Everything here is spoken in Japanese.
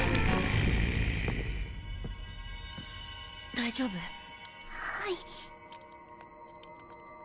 大丈夫？ははい。